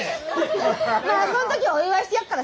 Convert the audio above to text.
まあそん時はお祝いしてやっからさ。